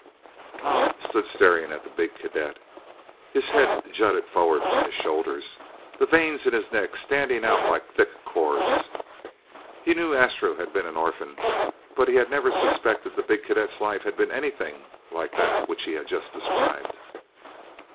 Tom stood staring at the big cadet. His head jutted forward from his shoulders, the veins in his neck standing out like thick cords. He knew Astro had been an orphan, but he had never suspected the big cadet's life had been anything like that which he had just described.